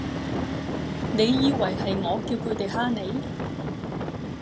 你以為係我叫佢哋㗇你？